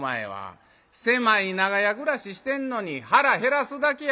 狭い長屋暮らししてんのに腹減らすだけや」。